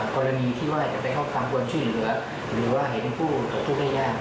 กรณีที่ว่าจะไปเข้าทางกวนชื่อเหลือหรือว่าเห็นผู้หรือผู้ไม่ยาก